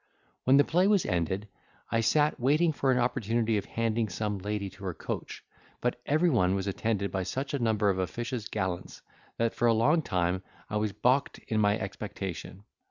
When the play was ended, I sat waiting for an opportunity of handing some lady to her coach; but everyone was attended by such a number of officious gallants, that for a long time I was balked in my expectation.